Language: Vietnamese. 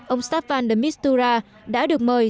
ông staffan demistura đã được mời